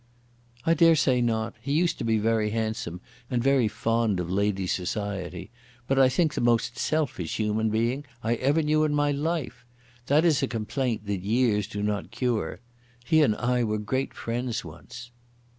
"I dare say not. He used to be very handsome, and very fond of ladies' society, but, I think, the most selfish human being I ever knew in my life. That is a complaint that years do not cure. He and I were great friends once."